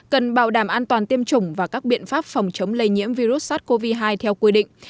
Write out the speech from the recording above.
cần bảo đảm an toàn tiêm chủng và các biện pháp phòng chống lây nhiễm virus sars cov hai theo quy định